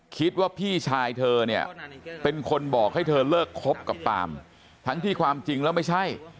คิดว่าพี่ชายเธอเนี่ยเป็นคนบอกให้เธอเลิกคบกับปาล์มทั้งที่ความจริงแล้วไม่ใช่